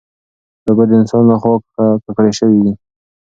اوبه د انسان له خوا ککړې شوې دي.